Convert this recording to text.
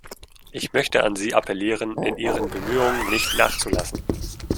Ich möchte an Sie appellieren, in Ihren Bemühungen nicht nachzulassen.